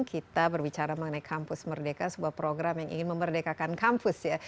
kita berbicara mengenai kampus merdeka sebuah program yang ingin memerdekakan kampus ya